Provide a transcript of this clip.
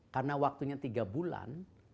karena waktunya tiga bulan